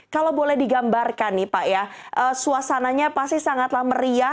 kalau boleh digambarkan nih pak ya suasananya pasti sangatlah meriah